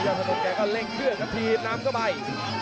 ยาวสนุกแกก็เล็งเพื่อกับทีมนำเข้าไป